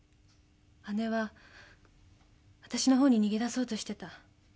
姉はあたしのほうに逃げ出そうとしてた。